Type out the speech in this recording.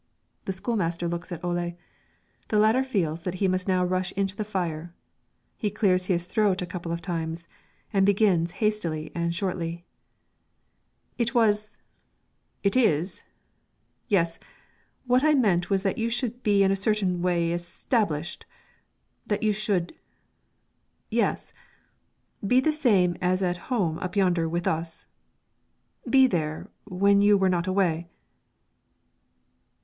The school master looks at Ole. The latter feels that he must now rush into the fire; he clears his throat a couple of times, and begins hastily and shortly, "It was it is yes. What I meant was that you should be in a certain way established that you should yes be the same as at home up yonder with us, be there, when you were not away."